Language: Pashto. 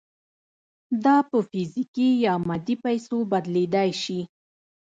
دا په فزیکي یا مادي پیسو بدلېدای شي